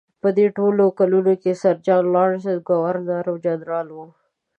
په دې ټولو کلونو کې سر جان لارنس ګورنر جنرال و.